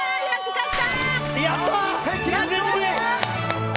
やった！